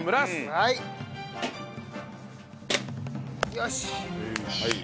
よし！